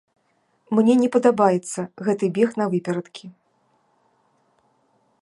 Мне не падабаюцца гэты бег навыперадкі.